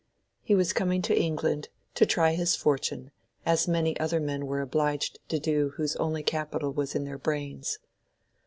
He was coming to England, to try his fortune, as many other young men were obliged to do whose only capital was in their brains.